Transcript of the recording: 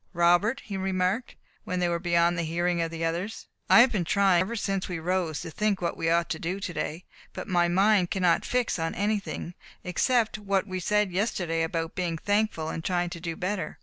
"Robert," he remarked, when they were beyond the hearing of the others, "I have been trying ever since we rose to think what we ought to do today; but my mind cannot fix on anything, except what we said yesterday about being thankful, and trying to do better.